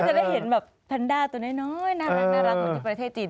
จะได้เห็นแบบแพนด้าตัวน้อยน่ารักเหมือนที่ประเทศจีน